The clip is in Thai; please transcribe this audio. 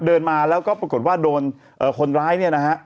เดินมาแล้วก็ปรากฏว่าโดนคนร้ายเนี่ยนะฮะ